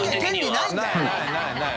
ないない。